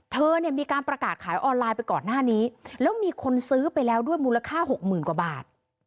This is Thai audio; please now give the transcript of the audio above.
เธอเนี่ยมีการประกาศขายออนไลน์ไปก่อนหน้านี้แล้วมีคนซื้อไปแล้วด้วยมูลค่าหกหมื่นกว่าบาท